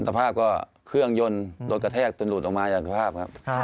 สภาพก็เครื่องยนต์โดดกระแทกลูดออกมาอย่างสภาพครับ